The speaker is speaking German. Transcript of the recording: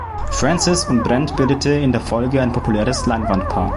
Francis und Brent bildete in der Folge ein populäres Leinwandpaar.